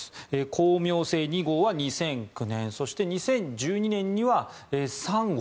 「光明星２号」は２００９年２０１２年には３号。